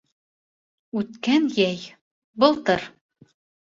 Үткән йәй, былтыр